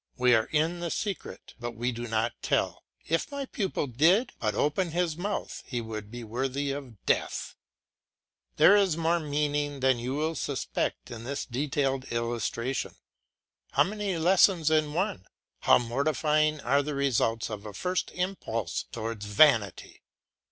We are in the secret, but we do not tell. If my pupil did but open his mouth he would be worthy of death. There is more meaning than you suspect in this detailed illustration. How many lessons in one! How mortifying are the results of a first impulse towards vanity!